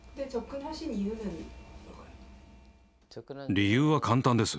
理由は簡単です。